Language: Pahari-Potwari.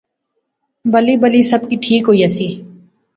بلی بلی سب کی ٹھیک ہوئی ایسی